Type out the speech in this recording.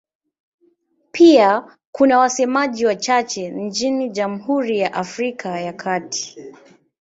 Pia kuna wasemaji wachache nchini Jamhuri ya Afrika ya Kati.